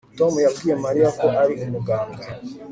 Tom yabwiye Mariya ko ari umuganga